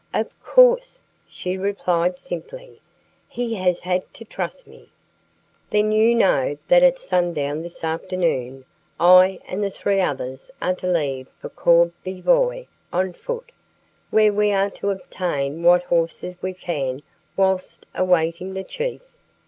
"Of course," she replied simply. "He has had to trust me." "Then you know that at sundown this afternoon I and the three others are to leave for Courbevoie on foot, where we are to obtain what horses we can whilst awaiting the chief."